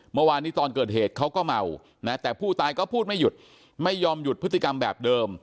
เมื่อวานนี้ตอนเกิดเหตุเขาก็เมานะแต่ผู้ตายก็พูดไม่หยุดไม่ยอมหยุดพฤติกรรมแบบเดิม